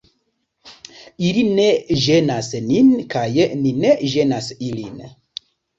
Ili ne ĝenas nin, kaj ni ne ĝenas ilin.